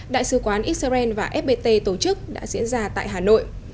đại sứ quán israel và fpt tổ chức đã diễn ra tại hà nội